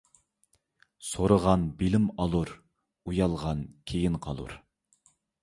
• سورىغان بىلىم ئالۇر، ئۇيالغان كېيىن قالۇر.